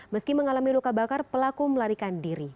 meski mengalami luka bakar pelaku melarikan diri